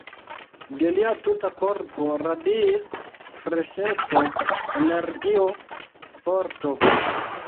De lia tuta korpo radiis freŝeco, energio, forto.